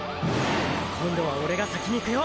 今度はオレが先にいくよ